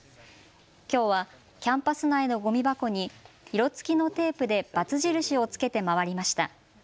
きょうはキャンパス内のごみ箱に色つきのテープでバツ印をつけて回りました。